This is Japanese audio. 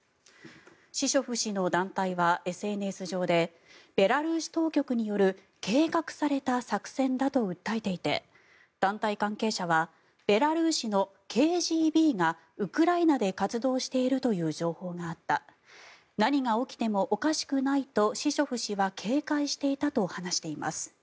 シショフ氏の団体はＳＮＳ上でベラルーシ当局による計画された作戦だと訴えていて団体関係者はベラルーシのＫＧＢがウクライナで活動しているという情報があった何が起きてもおかしくないとシショフ氏は警戒していたと話しています。